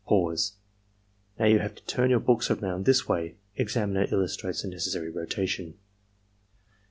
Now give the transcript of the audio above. "Now you have to turn your books around this way." (Examiner illustrates the necessary rotation.)